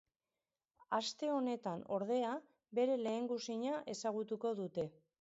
Aste honetan, ordea, bere lehengusina ezagutuko dute.